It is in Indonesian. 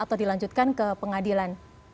atau dilanjutkan ke pengadilan